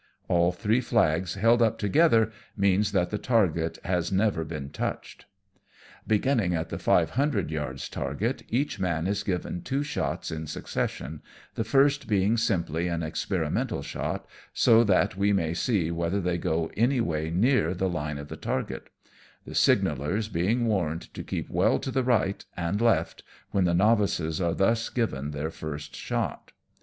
All three flags held up together means that the target has never been touched. Beginning at the five hundred yards target, each man is given two shots in succession, the first being simply an experimental shot, so that we may see whether they go any way near the line of the target ; the signallers being warned to keep well to the right and left, when the novices are thus given their first shot.